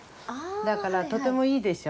だからとてもいいでしょ。